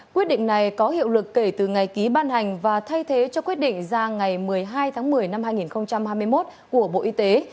quyết định này có hiệu lực kể từ ngày ký ban hành và thay thế cho quyết định ra ngày một mươi hai tháng một mươi năm hai nghìn hai mươi một của bộ y tế